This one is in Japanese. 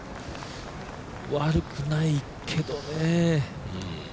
悪くないけどねえ